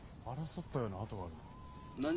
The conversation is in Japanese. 争ったような跡があるな。